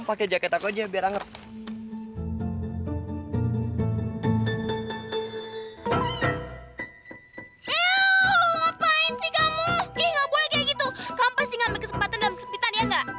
gak kayak gitu kamu pasti ngambil kesempatan dalam kesempitan ya gak